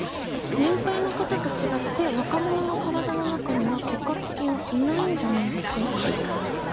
年配の方と違って若者の体の中には結核菌はいないんじゃないんですか？